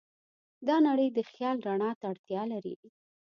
دا نړۍ د خیال رڼا ته اړتیا لري.